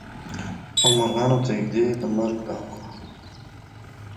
او مرغانو ته ایږدي د مرګ دامونه